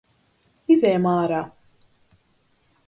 Izejam ārā.